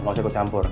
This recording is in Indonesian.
mau saya kucampur